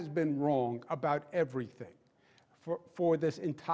kemudian kita akan membuat keputusan